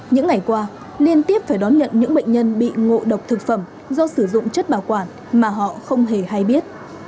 những ngày qua liên tiếp phải đón nhận những bệnh nhân bị ngộ độc thực phẩm do sử dụng chất bảo quản mà họ không hề hay biết